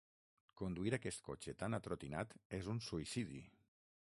Conduir aquest cotxe tan atrotinat és un suïcidi.